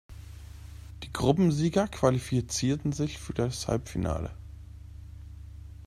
Die Gruppensieger qualifizierten sich für das Halbfinale.